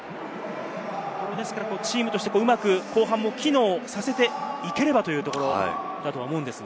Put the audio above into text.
ですからチームとして後半もうまく機能させていければというところだと思うんですが。